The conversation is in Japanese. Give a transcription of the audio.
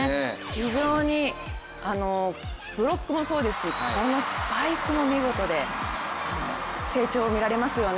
非常にブロックもそうですしあのスパイクも見事で成長が見られますよね。